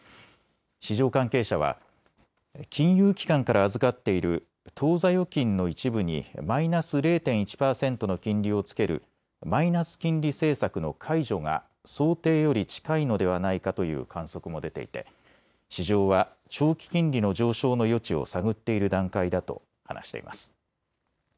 市場関係者は、金融機関から預かっている当座預金の一部にマイナス０．１％の金利をつけるマイナス金利政策の解除が想定より近いのではないかという観測も出ていて市場は長期金利の上昇の余地を探っている段階だと話しています。